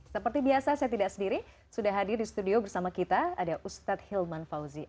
seperti biasa saya tidak sendiri sudah hadir di studio bersama kita ada ustadz hilman fauzi